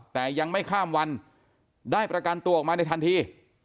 แต่ยังไม่ข้ามวันได้ประกันตัวออกมาในทันที